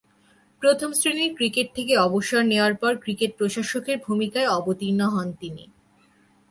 প্রথম-শ্রেণীর ক্রিকেট থেকে অবসর নেয়ার পর ক্রিকেট প্রশাসকের ভূমিকায় অবতীর্ণ হন তিনি।